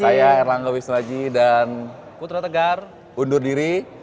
saya erlangga wisnuaji dan putra tegar undur diri